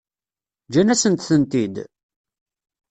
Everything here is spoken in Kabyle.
Ǧǧan-asent-tent-id?